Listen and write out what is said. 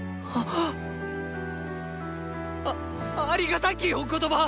あっありがたきお言葉！